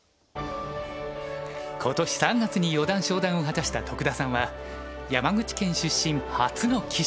今年３月に四段昇段を果たした徳田さんは山口県出身初の棋士。